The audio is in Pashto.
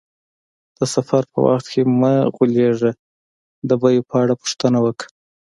د سفر په وخت کې مه غولیږه، د بیو په اړه پوښتنه وکړه.